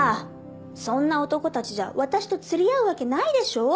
そんな男たちじゃ私と釣り合うわけないでしょ？